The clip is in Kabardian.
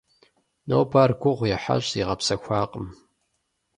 Нобэ ар гугъу ехьащ, зигъэпсэхуакъым.